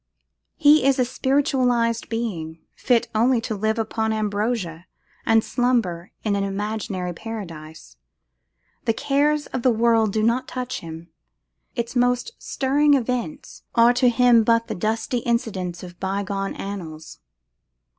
He is a spiritualised being, fit only to live upon ambrosia, and slumber in an imaginary paradise. The cares of the world do not touch him; its most stirring events are to him but the dusty incidents of bygone annals.